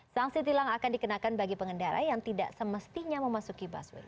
sanksi tilang akan dikenakan bagi pengendara yang tidak semestinya memasuki busway